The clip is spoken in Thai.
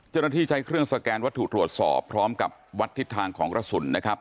เจ้าหน้าที่ใช้เครื่องสแกนวัตถุตรวจสอบพร้อมกับวัดทิศทางของกระสุนนะครับ